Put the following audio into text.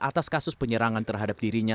atas kasus penyerangan terhadap dirinya